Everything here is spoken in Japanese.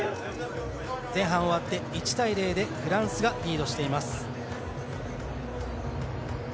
前半終わって、１対０でフランスがリードしています。